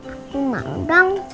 aku mau dong